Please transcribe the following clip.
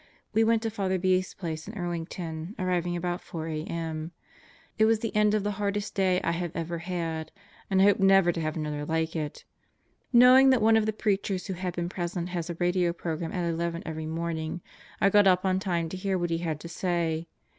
We went to Father B.'s place in Earlington, arriving about 4 a.m. It was the end of the hardest day I have ever had, and I hope never to have another like it. Knowing that one of the preachers who had been present has a radio program at eleven every morning, I got up on time to hear what he had to say.